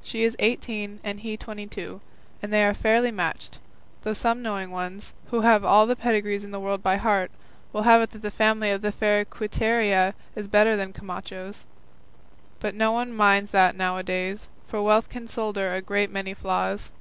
She is eighteen, and he twenty two, and they are fairly matched, though some knowing ones, who have all the pedigrees in the world by heart, will have it that the family of the fair Quiteria is better than Camacho's; but no one minds that now a days, for wealth can solder a great many flaws.